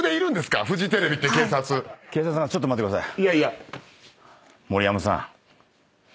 警察さんちょっと待ってください。